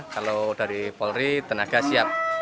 kalau dari polri tenaga siap